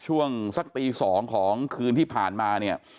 ช่วงสักตี๒ของคืนที่ผ่านมาเนี่ย